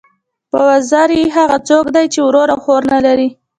یو وزری، هغه څوک دئ، چي ورور او خور نه لري.